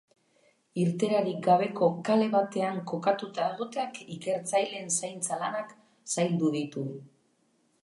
Irteerarik gabeko kale batean kokatuta egoteak ikertzaileen zaintza lanak zaildu ditu.